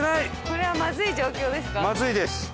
これはまずい状況ですか？